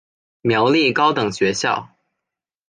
苗栗高等学校